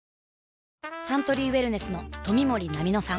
サントリーウエルネスの冨森菜美乃さん